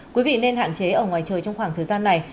quý vị nên hạn chế ở ngoài trời trong khoảng thời gian này